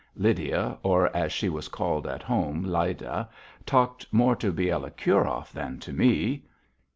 Lydia, or as she was called at home, Lyda, talked more to Bielokurov than to me.